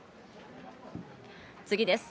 次です。